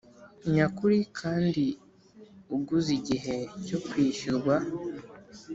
nyakuri kandi ugeze igihe cyo kwishyurwa.